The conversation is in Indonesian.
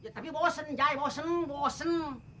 tapi bosen jaya bosen